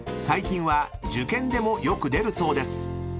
［最近は受験でもよく出るそうです］